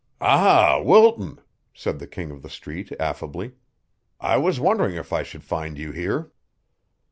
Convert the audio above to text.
"Ah, Wilton," said the King of the Street affably. "I was wondering if I should find you here."